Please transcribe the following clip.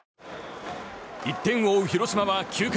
１点を追う広島は９回。